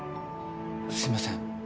すみません。